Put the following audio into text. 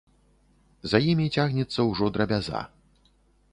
За імі цягнецца ўжо драбяза.